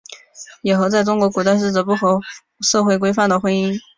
野合在中国古代是指不合社会规范的婚姻。